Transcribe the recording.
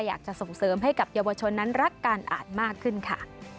อยากจะส่งเสริมให้กับเยาวชนนั้นรักการอ่านมากขึ้นค่ะ